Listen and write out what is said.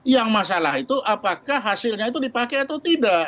yang masalah itu apakah hasilnya itu dipakai atau tidak